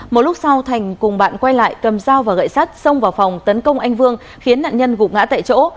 một lúc sau thành cùng bạn quay lại cầm dao và gậy sắt xông vào phòng tấn công anh vương khiến nạn nhân gục ngã tại chỗ